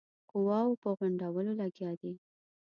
قواوو په غونډولو لګیا دی.